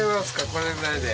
これぐらいで。